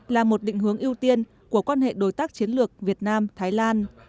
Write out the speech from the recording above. là một định hướng ưu tiên của quan hệ đối tác chiến lược việt nam thái lan